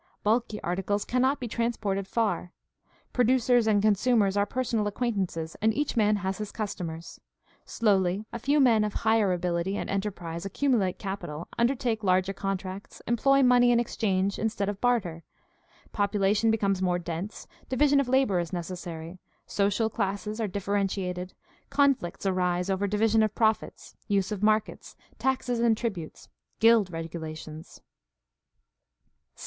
Bulky articles cannot be transported far. Pro ducers and consumers are personal acquaintances, and each man has his customers. Slowly a few men of higher ability and enterprise accumulate capital, undertake larger con tracts, employ money in exchange instead of barter. Popu lation becomes more dense; division of labor is necessary; social classes are differentiated; conflicts arise over divi sion of profits, use of markets, taxes and tributes, guild regulations.